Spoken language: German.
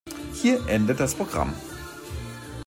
Hier endet das Programm.